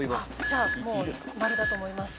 じゃあもう○だと思います。